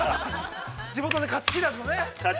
◆地元で勝ち知らずのね！